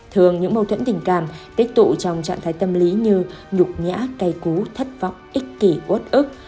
thường những mâu thuẫn tình cảm tích tụ trong trạng thái tâm lý như nhục nhã cây cú thất vọng ích kỷ ốt ức